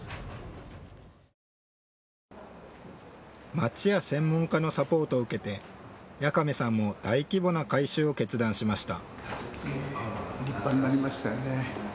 町や専門家のサポートを受けて八亀さんも大規模な改修を決断しました。